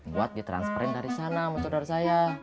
buat di transferin dari sana sama saudara saya